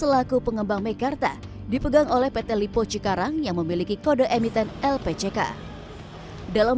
selaku pengembang mekarta dipegang oleh pt lipo cikarang yang memiliki kode emiten lpck dalam